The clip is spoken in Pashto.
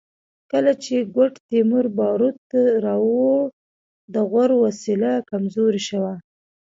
کله چې ګوډ تیمور باروت راوړل د غور وسله کمزورې شوه